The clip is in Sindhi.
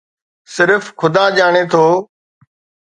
صرف خدا ڄاڻي ٿو.